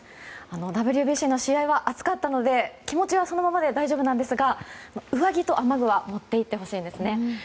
ＷＢＣの試合は熱かったので気持ちはそのままで大丈夫なんですが上着と雨具は持っていってほしいんですね。